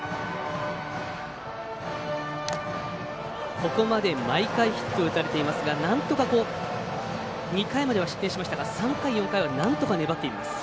ここまで毎回ヒットを打たれていますがなんとか２回までは失点しましたが３回４回はなんとか粘っています。